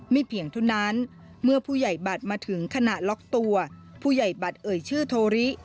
เพียงเท่านั้นเมื่อผู้ใหญ่บัตรมาถึงขณะล็อกตัวผู้ใหญ่บัตรเอ่ยชื่อโทรริ